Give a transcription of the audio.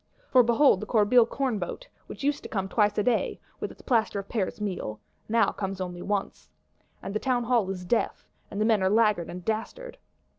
For behold the Corbeil Cornboat, which used to come twice a day, with its Plaster of Paris meal, now comes only once. And the Townhall is deaf; and the men are laggard and dastard!